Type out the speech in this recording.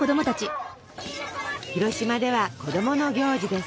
広島では子どもの行事です。